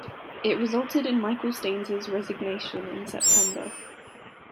It resulted in Michael Staines' resignation in September.